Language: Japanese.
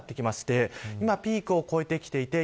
大雪のピークは越えてきています。